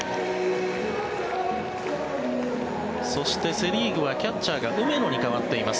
そして、セ・リーグはキャッチャーが梅野に代わっています。